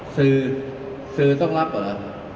สื่อสื่อต้องรับเหรอ